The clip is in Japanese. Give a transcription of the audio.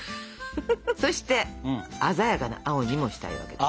そして鮮やかな青にもしたいわけです。